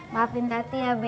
maafin tati ya be